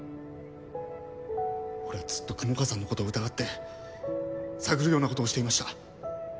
俺ずっと雲川さんのことを疑って探るようなことをしていました。